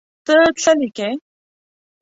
ته څه لیکې.